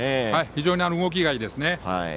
非常に動きがいいですね。